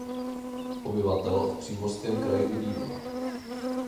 Obyvatel v přímořském kraji ubývá.